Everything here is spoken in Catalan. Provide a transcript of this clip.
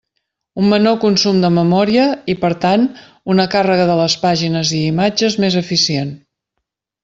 Un menor consum de memòria, i per tant, una càrrega de les pàgines i imatges més eficient.